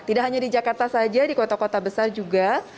tidak hanya di jakarta saja di kota kota besar juga